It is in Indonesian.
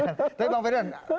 tapi bang ferdinand